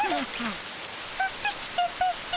ふってきちゃったっピ。